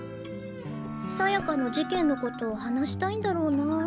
さやかの事件のこと話したいんだろうな。